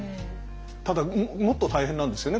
ただもっと大変なんですよね